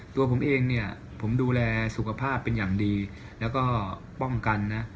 ตัวผมเองเนี่ยผมดูแลสุขภาพเป็นอย่างดีแล้วก็ป้องกันนะ